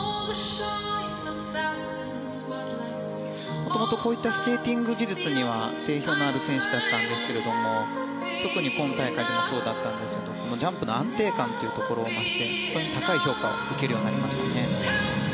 元々、こういったスケーティング技術には定評のある選手だったんですけれども特に今大会でもそうだったんですけどジャンプの安定感というところが増して非常に高い評価を得るようになりましたね。